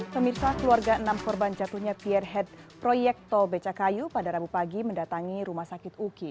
pemirsa keluarga enam korban jatuhnya pierhead proyek tol becakayu pada rabu pagi mendatangi rumah sakit uki